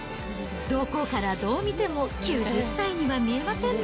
どこからどう見ても９０歳には見えませんね。